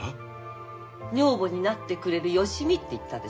女房になってくれる芳美って言ったでしょ？